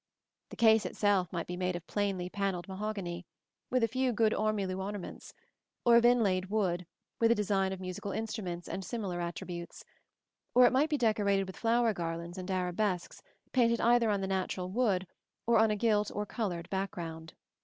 The case itself might be made of plainly panelled mahogany, with a few good ormolu ornaments; or of inlaid wood, with a design of musical instruments and similar "attributes"; or it might be decorated with flower garlands and arabesques painted either on the natural wood or on a gilt or colored background.